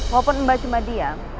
walaupun mbak cuma diam